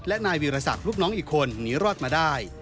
และนายวีรศักดิ์ลูกน้องอีกคนหนีรอดมาได้